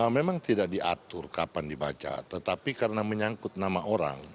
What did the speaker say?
memang tidak diatur kapan dibaca tetapi karena menyangkut nama orang